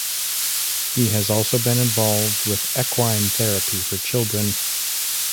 He has also been involved with equine therapy for children.